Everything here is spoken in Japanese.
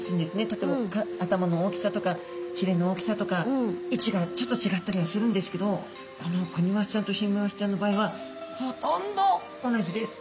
例えば頭の大きさとかひれの大きさとか位置がちょっと違ったりはするんですけどこのクニマスちゃんとヒメマスちゃんの場合はほとんど同じです。